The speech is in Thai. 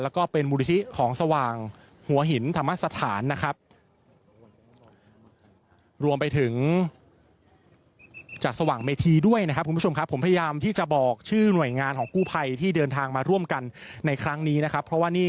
แล้วก็เป็นมูลนิธิของสว่างหัวหินธรรมสถานนะครับ